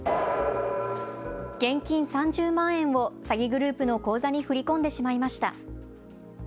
現金３０万円を詐欺グループの口座に振り込んでしまいました。